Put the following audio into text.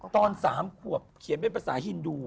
ตอน๓ขวบเขียนเป็นภาษาฮินดู